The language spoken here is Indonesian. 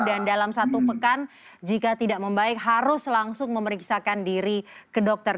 dalam satu pekan jika tidak membaik harus langsung memeriksakan diri ke dokter